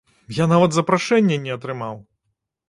Я нават запрашэння не атрымаў!